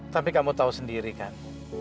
tapi kamu tahu sendiri kan